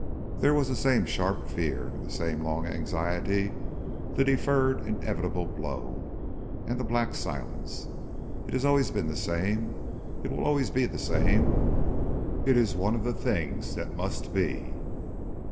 There was the same sharp fear, the same long anxiety, the deferred inevitable blow, and the black silence. It has always been the same; it will always be the same. It is one of the things that must be.